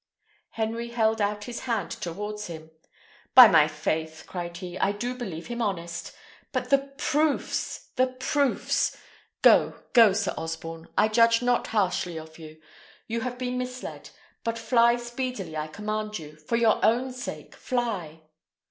Henry held out his hand towards him. "By my faith," cried he, "I do believe him honest! But the proofs! the proofs! Go, go, Sir Osborne; I judge not harshly of you. You have been misled; but fly speedily, I command you; for your own sake, fly!"